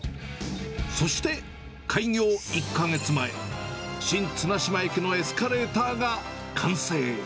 そして、開業１か月前、新綱島駅のエスカレーターが完成。